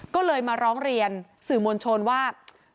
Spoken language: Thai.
ก็เลยมาร้องเรียนสื่อมวลชนว่า